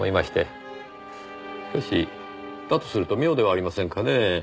しかしだとすると妙ではありませんかねぇ。